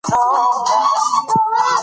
ځوانان نن سبا په چکر پسې ډېر ګرځي.